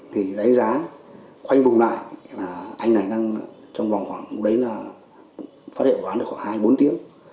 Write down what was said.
thì đánh giá khoanh vùng lại là anh này đang trong vòng khoảng đấy là phát hiện vụ án được khoảng hai bốn tiếng